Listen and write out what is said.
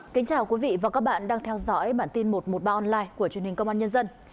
kính chào quý vị và các bạn đang theo dõi bản tin một trăm một mươi ba online của truyền hình công an nhân dân